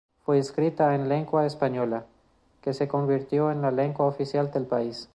Fue escrita en lengua española, que se convirtió en la lengua oficial del país.